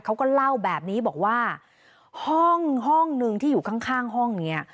เขาก็เล่าแบบนี้บอกว่าห้องห้องนึงที่อยู่ข้างห้องเนี่ย